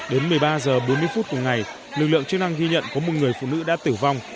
đến một mươi ba h bốn mươi phút cùng ngày lực lượng chức năng ghi nhận có một người phụ nữ đã tử vong